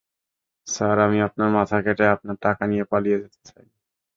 Sir, আমি আপনার মাথা কেটে আপনার টাকা নিয়ে পালিয়ে যেতে চাই।